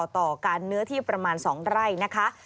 ต่อการเนื้อที่ประมาณ๒ไร่นะคะ